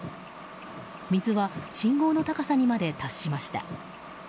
水は信号の高さにまで達しました。